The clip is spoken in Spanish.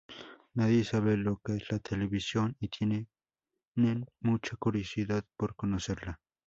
Nadie sabe lo que es la televisión y tienen mucha curiosidad por conocerla.